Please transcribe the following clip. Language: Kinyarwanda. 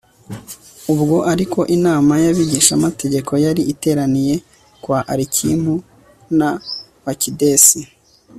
ubwo ariko, inama y'abigishamategeko yari iteraniye kwa alikimu na bakidesi